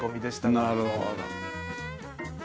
なるほど。